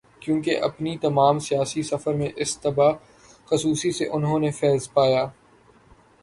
کیونکہ اپنے تمام سیاسی سفر میں اسی طب خصوصی سے انہوں نے فیض پایا۔